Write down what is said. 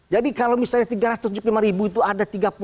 jadi kalau misalnya tiga ratus tujuh puluh lima ribu itu ada